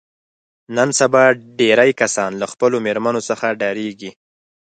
نن سبا ډېری کسان له خپلو مېرمنو څخه ډارېږي.